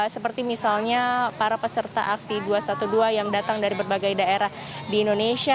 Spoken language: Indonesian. seperti misalnya para peserta aksi dua ratus dua belas yang datang dari berbagai daerah di indonesia